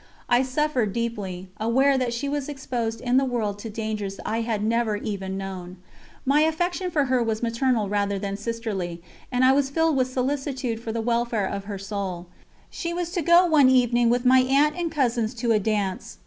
I suffered deeply, aware that she was exposed in the world to dangers I had never even known. My affection for her was maternal rather than sisterly, and I was filled with solicitude for the welfare of her soul. She was to go one evening with my aunt and cousins to a dance.